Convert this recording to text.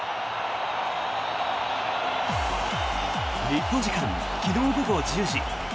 日本時間昨日午後１０時